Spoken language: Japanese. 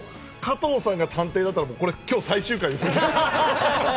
加藤さんが探偵だったら今日最終回です。